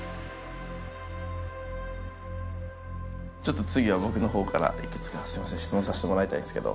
ちょっと次は僕のほうからいくつかすみません質問させてもらいたいんですけど。